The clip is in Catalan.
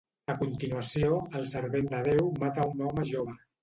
A continuació, el servent de Déu mata a un home jove.